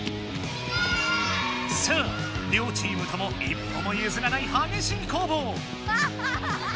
さあ両チームとも一歩もゆずらないはげしい攻防。